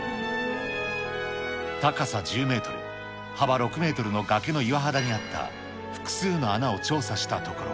高さ１０メートル、幅６メートルの崖の岩肌にあった複数の穴を調査したところ、